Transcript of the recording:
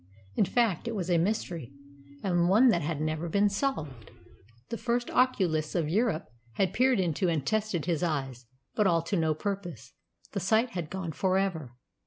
In fact, it was a mystery, and one that had never been solved. The first oculists of Europe had peered into and tested his eyes, but all to no purpose. The sight had gone for ever.